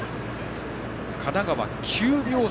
神奈川は９秒差。